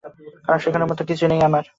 কারণ শেখানোর মতো কিছু নেই আর।